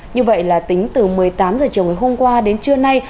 như vậy là tính từ một mươi tám h chiều ngày hôm qua đến trưa nay